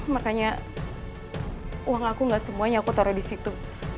makanya uang aku nggak semuanya aku taruh di situ